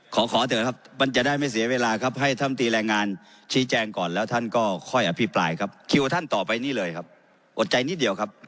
ขอขอเถอะครับมันจะได้ไม่เสียเวลาครับให้ท่านตีแรงงานชี้แจงก่อนแล้วท่านก็ค่อยอภิปรายครับคิวท่านต่อไปนี่เลยครับอดใจนิดเดียวครับ